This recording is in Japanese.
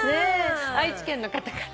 愛知県の方から。